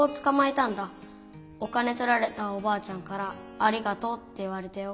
お金とられたおばあちゃんから「ありがとう」って言われたよ。